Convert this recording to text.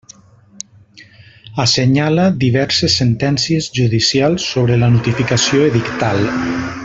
Assenyala diverses sentències judicials sobre la notificació edictal.